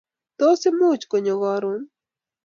Tos imuuch konyo karoon?